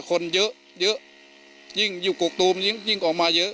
คนเยอะเยอะยิ่งอยู่กกตูมยิ่งออกมาเยอะ